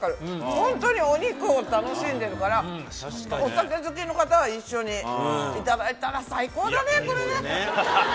本当にお肉を楽しんでるから、お酒好きの方は、一緒に頂いたら最高だね、これね。